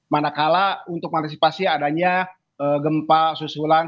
manakala untuk mengantisipasi adanya gempa susulan